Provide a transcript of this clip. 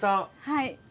はい。